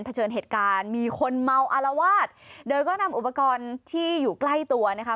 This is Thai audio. เชิญเหตุการณ์มีคนเมาอารวาสโดยก็นำอุปกรณ์ที่อยู่ใกล้ตัวนะคะ